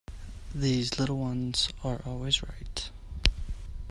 These little ones are always right!